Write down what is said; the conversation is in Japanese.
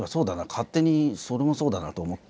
勝手にそれもそうだなと思って。